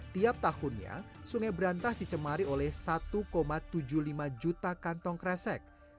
tiap tahunnya sungai berantas dicemari oleh satu tujuh puluh lima juta kantong kresek